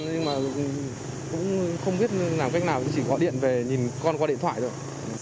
nhưng mà cũng không biết làm cách nào chỉ gọi điện về nhìn con qua điện thoại thôi